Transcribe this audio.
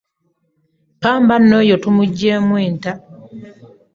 Pamba nno oyo tumuggyemu enta.